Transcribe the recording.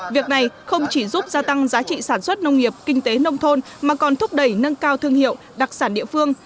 việc này không chỉ giúp gia tăng giá trị sản xuất nông nghiệp kinh tế nông thôn mà còn thúc đẩy nâng cao thương hiệu đặc sản địa phương